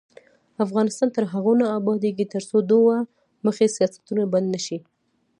افغانستان تر هغو نه ابادیږي، ترڅو دوه مخي سیاستونه بند نشي.